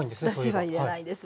だしは入れないです。